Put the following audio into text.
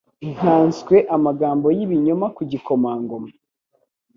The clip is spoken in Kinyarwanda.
nkanswe amagambo y’ibinyoma ku gikomangoma